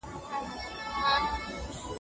هر څوک کولای سي په اصلاحاتو کې برخه واخلي.